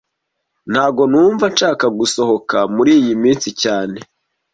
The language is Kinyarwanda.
Ntago numva nshaka gusohoka muriyi minsi cyane